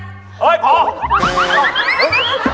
เฮ้ยพอ